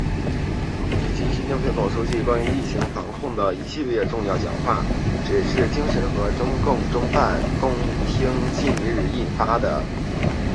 以及习近平总书记关于疫情防控的一系列重要讲话、指示精神和中共中央办公厅近日印发的《党委（党组）落实全面从严治党主体责任规定》